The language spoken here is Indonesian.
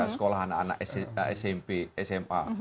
sekolah anak anak smp sma